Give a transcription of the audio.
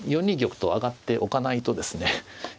４二玉と上がっておかないとですね